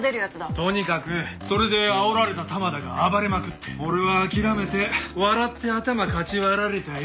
とにかくそれであおられた玉田が暴れまくって俺は諦めて笑って頭かち割られたよ。